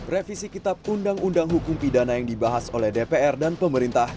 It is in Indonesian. revisi kitab undang undang hukum pidana yang dibahas oleh dpr dan pemerintah